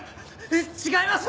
違います！